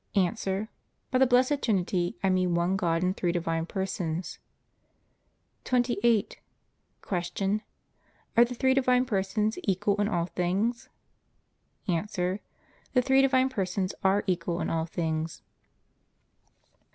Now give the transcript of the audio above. A. By the Blessed Trinity I mean one God in three Divine Persons. 28. Q. Are the three Divine Persons equal in all things? A. The three Divine Persons are equal in all things.